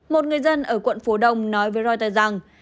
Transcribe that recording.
một người dân ở quận phú đông nói với reuters rằng